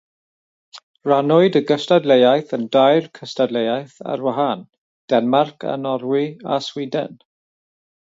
Rhannwyd y gystadleuaeth yn dair cystadleuaeth ar wahân: Denmarc, Norwy a Sweden.